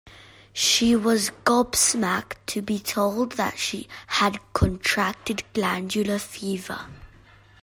She was gobsmacked to be told that she had contracted glandular fever